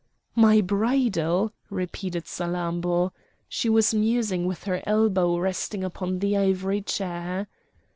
"My bridal!" repeated Salammbô; she was musing with her elbow resting upon the ivory chair.